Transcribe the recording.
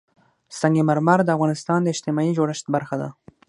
سنگ مرمر د افغانستان د اجتماعي جوړښت برخه ده.